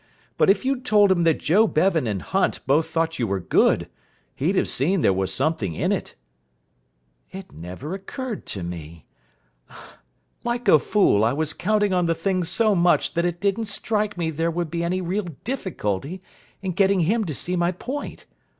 But if you'd told him that Joe Bevan and Hunt both thought you good, he'd have seen there was something in it." "It never occurred to me. Like a fool, I was counting on the thing so much that it didn't strike me there would be any real difficulty in getting him to see my point.